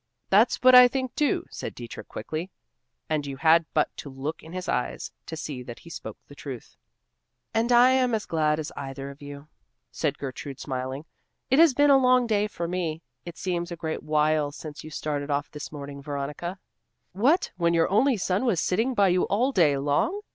"That's what I think too," said Dietrich quickly, and you had but to look in his eyes to see that he spoke the truth. "And I am as glad as either of you," said Gertrude smiling. "It has been a long day for me. It seems a great while since you started off this morning, Veronica." "What! when your only son was sitting by you all day long?"